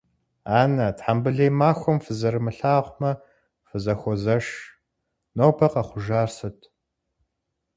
Ан-на, тхьэмбылей махуэм фызэрымылъагъумэ, фызэхуозэш, нобэ къэхъужар сыт?